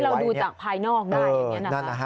เพื่อให้เราดูจากภายนอกได้แบบนั้นแหละ